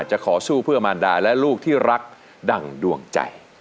จะขอสู้เพื่อมารดาและลูกที่รักดั่งดวงใจ